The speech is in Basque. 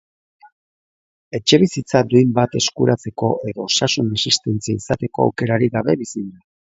Etxebizitza duin bat eskuratzeko edo osasun asistentzia izateko aukerarik gabe bizi dira.